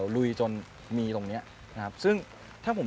คุณต้องเป็นผู้งาน